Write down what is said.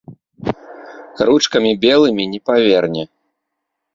Ручкамі белымі не паверне.